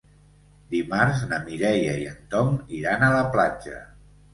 Dimarts na Mireia i en Tom iran a la platja.